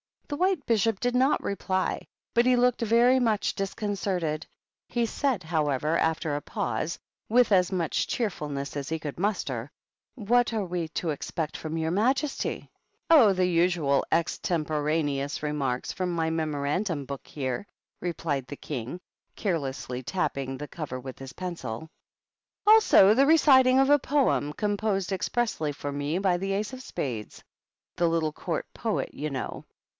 The White Bishop did not reply, but he looked very much disconcerted ; he said, however, after a pause, with as much cheerfulness as he could muster, "What are we to expect from your majesty ?" "Oh, the usual extemporaneous remarks from my Memorandum Book here," replied the King, carelessly tapping the cover with his pencil ; "also the reciting of a poem composed expressly for me by the Ace of Spades, — the little Court Poet, you know.